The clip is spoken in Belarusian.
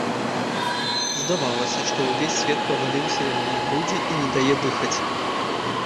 Здавалася, што ўвесь свет паваліўся яму на грудзі і не дае дыхаць.